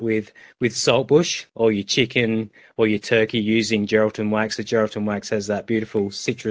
jadi saya berpikir makanan seperti ayam dengan lima jari atau perut dengan lima jari